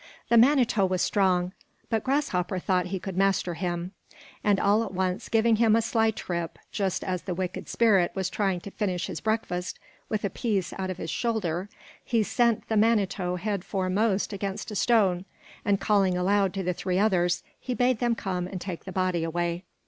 The Manito was strong, but Grasshopper thought he could master him; and all at once giving him a sly trip, just as the wicked spirit was trying to finish his breakfast with a piece out of his shoulder, he sent the Manito head foremost against a stone; and calling aloud to the three others, he bade them come and take the body away.